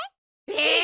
えっ！